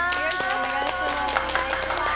お願いします。